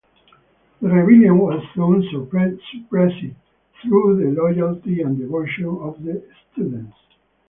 The rebellion was soon suppressed through the loyalty and devotion of the students.